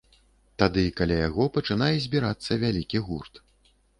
Тады каля яго пачынае збірацца вялікі гурт.